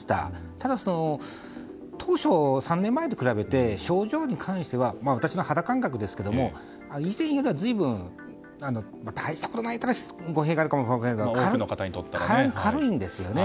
ただ当初、３年前と比べて症状に関しては私の肌感覚ですけど以前より随分大したことないといえば語弊があるかも分かりませんが軽いんですよね。